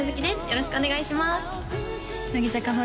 よろしくお願いします